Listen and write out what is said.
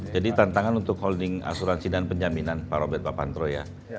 jadi tantangan untuk holding asuransi dan penjaminan pak robet pak pantro ya